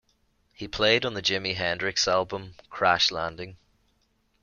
He played on the Jimi Hendrix album "Crash Landing".